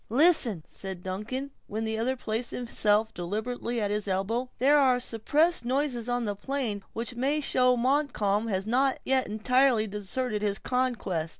"Listen!" said Duncan, when the other placed himself deliberately at his elbow; "there are suppressed noises on the plain which may show Montcalm has not yet entirely deserted his conquest."